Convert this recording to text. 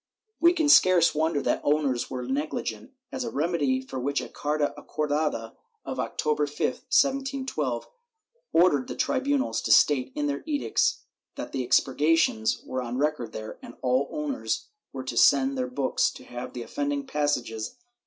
^ We can scarce wonder that owners were negligent, as a remedy for which a carta acordada of October 5, 1712, ordered the tribu nals to state in their edicts that the expurgations were on record there, and all owners were to send their books to have the offend ' Archive hist, nacional, Inq. de Valencia, Leg.